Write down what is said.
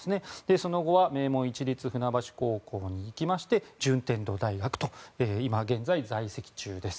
その後は名門・市立船橋高校に行きまして順天堂大学と今現在、在籍中です。